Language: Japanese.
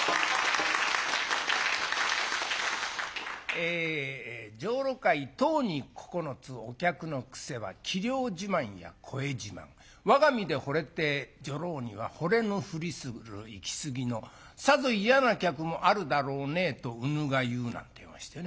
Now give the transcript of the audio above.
え女郎買い十に九つお客の癖は器量自慢や声自慢我が身でほれて女郎にはほれぬふりするゆきすぎのさぞ嫌な客もあるだろうねとうぬが言うなっていいましてね。